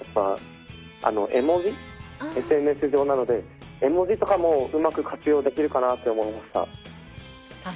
ＳＮＳ上なので絵文字とかもうまく活用できるかなって思いました。